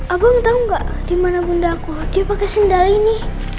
abang tau gak dimana bunda aku dia pake sendal ini